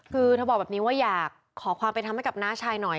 คือเธอบอกแบบนี้ว่าอยากขอความเป็นธรรมให้กับน้าชายหน่อย